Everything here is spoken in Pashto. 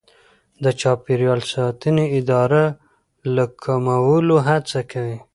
د چاپیریال ساتنې اداره د کمولو هڅه کوي.